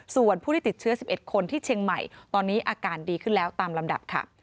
ส่วนผู้ที่ติดเชื้อ๑๑คนที่เชียงใหม่ตอนนี้อาการดีขึ้นแล้วตามลำดับค่ะ